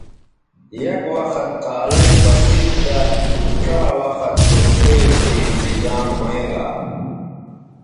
یک وخت تھالئ پڅید تہ ڇا وخت سو کھئ سو انتظام ھویں گا